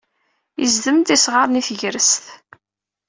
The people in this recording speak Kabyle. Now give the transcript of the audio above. Yezdem-d isɣaren i tegrest.